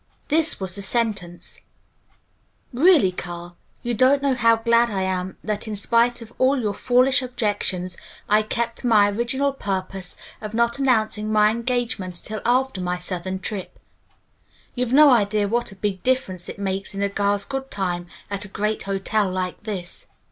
This was the sentence: "Really, Carl, you don't know how glad I am that in spite of all your foolish objections, I kept to my original purpose of not announcing my engagement until after my Southern trip. You've no idea what a big difference it makes in a girl's good time at a great hotel like this."